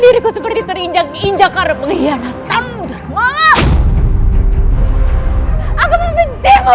tidak pasti kamu akan tinggalkan darmala apa yang anda katakan disini